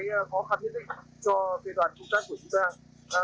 những cái khó khăn nhất định cho cây đoàn công tác của chúng ta